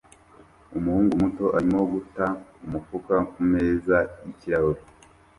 Umuhungu muto arimo guta umufuka kumeza yikirahure